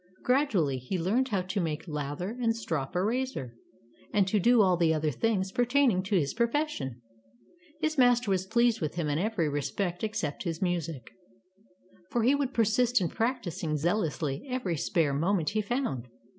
Gradually he learned how to make lather and strop a razor, and to do all the other things pertaining to his profession. His master was pleased with him in every Tales of Modern Germany 79 respect except his music. For he would persist in practicing zealously every spare moment he found.